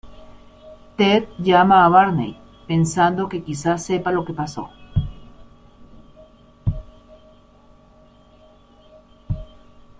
Ted llama a Barney, pensando que quizás sepa lo que pasó.